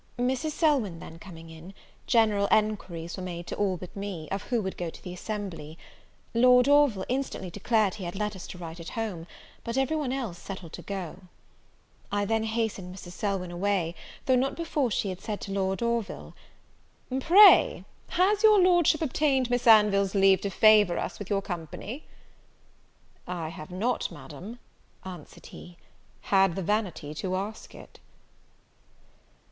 Mrs. Selwyn then coming in, general enquiries were made to all but me, of who would go to the assembly? Lord Orville instantly declared he had letters to write at home; but every one else settled to go. I then hastened Mrs. Selwyn away, though not before she had said to Lord Orville, "Pray, has your Lordship obtained Miss Anville's leave to favour us with your company?" "I have not, Madam," answered he, "had the vanity to ask it."